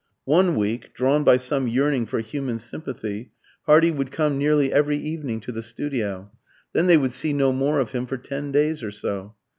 One week, drawn by some yearning for human sympathy, Hardy would come nearly every evening to the studio; then they would see no more of him for ten days or so.